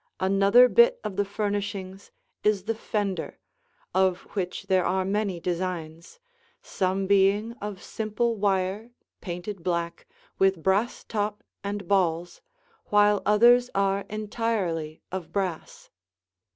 Another bit of the furnishings is the fender, of which there are many designs, some being of simple wire painted black with brass top and balls, while others are entirely of brass.